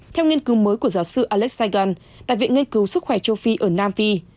theo nghiên cứu mới của giáo sư alexegan tại viện nghiên cứu sức khỏe châu phi ở nam phi